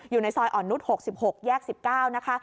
อยู่ในซอยอ่อนนุษย์๖๖แยก๑๙นะคะ